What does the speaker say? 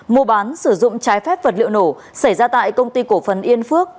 mua bán sử dụng trái phép vật liệu nổ xảy ra tại công ty cổ phần yên phước